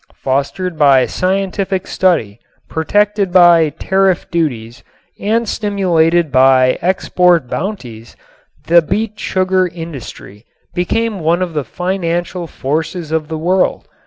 Fostered by scientific study, protected by tariff duties, and stimulated by export bounties, the beet sugar industry became one of the financial forces of the world.